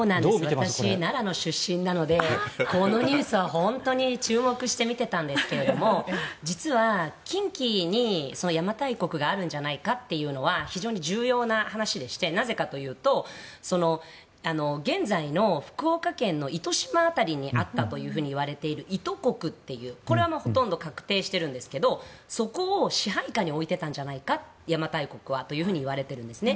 私、奈良の出身なのでこのニュースは本当に注目して見ていたんですが実は近畿に邪馬台国があるんじゃないかというのは非常に重要な話でしてなぜかというと現在の福岡県の糸島辺りにあったといわれているイト国というこれはほとんど確定しているんですがそこを支配下に置いていたんじゃないか邪馬台国はといわれているんですね。